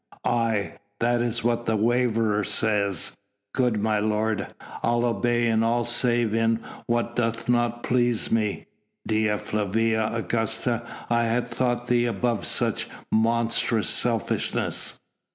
"Aye! That is what the waverer says: 'Good my lord, I'll obey in all save in what doth not please me!' Dea Flavia Augusta, I had thought thee above such monstrous selfishness."